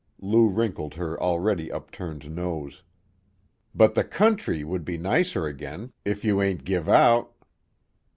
Lou wrinkled her already upturned nose. "But the country would be nicer again, if you ain't give out."